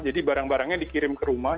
jadi barang barangnya dikirim ke rumah